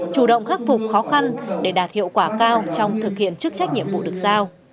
chủ động khắc phục khó khăn để đạt hiệu quả cao trong thực hiện chức trách nhiệm vụ được giao